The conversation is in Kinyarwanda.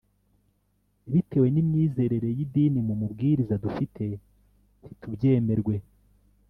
bitewe n’imyizerere y’idini mu mubwiriza dufite nti tubyemerwe